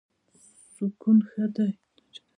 سکون ښه دی.